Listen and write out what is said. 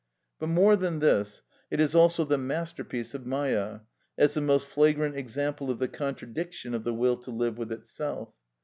But, more than this, it is also the masterpiece of Mâyâ, as the most flagrant example of the contradiction of the will to live with itself.